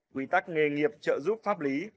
quy tắc nghề nghiệp trợ giúp pháp lý